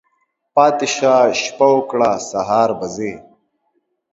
پاتی شه، شپه وکړه ، سهار به ځی.